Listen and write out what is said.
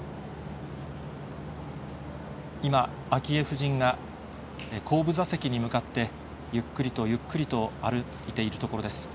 今、昭恵夫人が後部座席に向かって、ゆっくりと、ゆっくりと歩いているところです。